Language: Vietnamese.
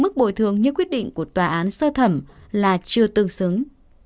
mức bồi thường như quyết định của tòa án sơ thẩm là chưa tương xứng